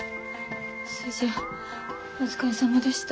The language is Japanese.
それじゃあお疲れさまでした。